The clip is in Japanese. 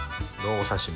お刺身。